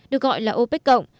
được gọi là opec cộng